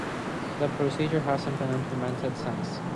The procedure hasn't been implemented since.